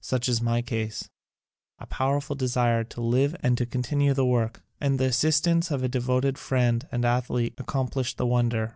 Such is my case. A powerful desire to live and to con tinue the work, and the assistance of a devoted friend and athlete accomplished the wonder.